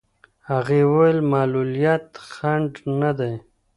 هغې وویل معلولیت خنډ نه دی.